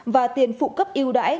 và tiền phụ cấp yêu đãi